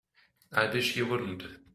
I wish you wouldn't.